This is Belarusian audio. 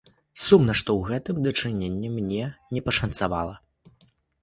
Сумна, што ў гэтым дачыненні мне не пашанцавала.